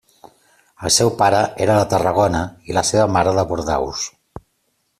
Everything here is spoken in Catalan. El seu pare era de Tarragona i la seva mare de Bordeus.